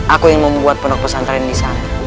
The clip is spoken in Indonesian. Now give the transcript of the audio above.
aku yang membuat pondok pesantren di sana